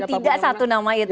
tidak satu nama itu